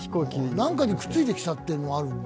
何かにくっついてきたというのもあるんだ？